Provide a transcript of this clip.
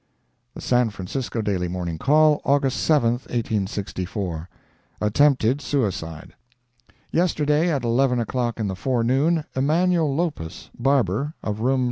The San Francisco Daily Morning Call, August 7, 1864 ATTEMPTED SUICIDE Yesterday at eleven o'clock in the forenoon, Emanuel Lopus, barber, of room No.